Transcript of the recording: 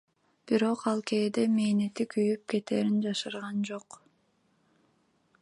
Бирок, ал кээде мээнети күйүп кетээрин жашырган жок.